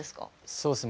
そうっすね。